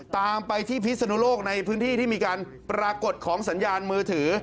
ตามไปที่พิศนุโลกในพื้นที่ที่มีการปรากฏของสัญญาณมือถือ